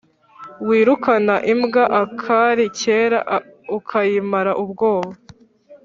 Wirukana imbwa akari kera ukayimara ubwoba.